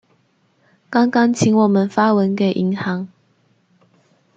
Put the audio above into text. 剛剛請我們發文給銀行